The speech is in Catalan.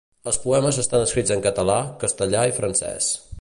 Els poemes estan escrits en català, castellà i francès.